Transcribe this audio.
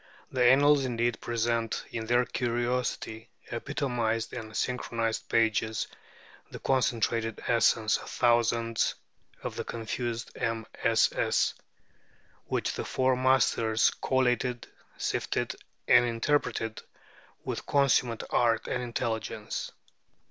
The Annals indeed present in their curiously epitomized and synchronized pages the concentrated essence of thousands of the confused MSS. which the Four Masters collated, sifted, and interpreted with consummate art and intelligence.